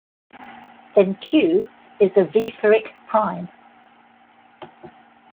Then "q" is a Wieferich prime.